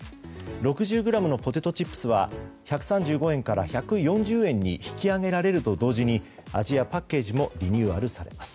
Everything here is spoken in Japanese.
６０ｇのポテトチップスは１３５円から１４０円に引き上げられると同時に味やパッケージもリニューアルされます。